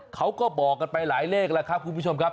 เขาก็บอกกันไปหลายเลขแล้วครับคุณผู้ชมครับ